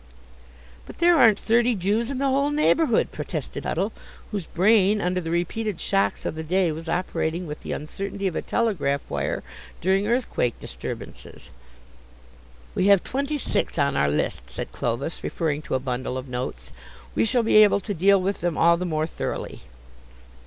"But there aren't thirty Jews in the whole neighbourhood," protested Huddle, whose brain, under the repeated shocks of the day, was operating with the uncertainty of a telegraph wire during earthquake disturbances. "We have twenty six on our list," said Clovis, referring to a bundle of notes. "We shall be able to deal with them all the more thoroughly."